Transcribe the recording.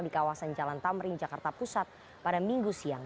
di kawasan jalan tamrin jakarta pusat pada minggu siang